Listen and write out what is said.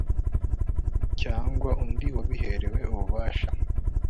cyangwa undi wabiherewe ububasha